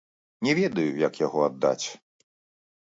Не ведаю, як яго аддаць.